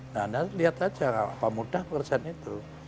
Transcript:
nah lihat aja apa mudah pekerjaan itu